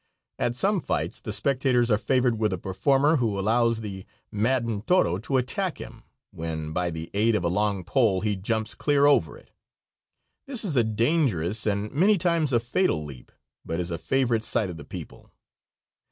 At some fights the spectators are favored with a performer, who allows the maddened toro to attack him, when, by the aid of a long pole, he jumps clear over it. This is a dangerous and, many times, a fatal leap, but is a favorite sight of the people.